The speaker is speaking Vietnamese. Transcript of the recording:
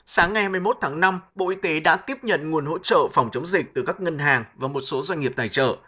sáng ngày hai mươi một tháng năm bộ y tế đã tiếp nhận nguồn hỗ trợ phòng chống dịch từ các ngân hàng và một số doanh nghiệp tài trợ